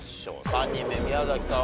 ３人目宮崎さん